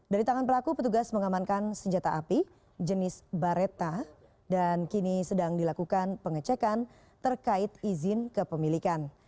dari tangan pelaku petugas mengamankan senjata api jenis bareta dan kini sedang dilakukan pengecekan terkait izin kepemilikan